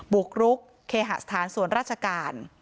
บุกรุกเคหสถานส่วนราชการ